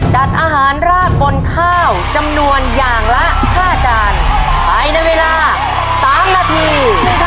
จัดอาหารราดบนข้าวจำนวนอย่างละ๕จานภายในเวลา๓นาที